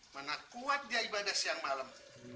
mana kuat dia ibadah siang malam